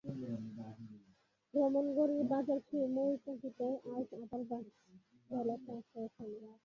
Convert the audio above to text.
রামনগরের রাজার সেই ময়ুরপঙ্খীটায় আজ আবার বাচ, বেলা চারটার সময়!